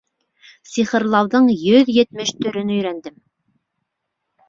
Сихырлауҙың йөҙ етмеш төрөн өйрәндем.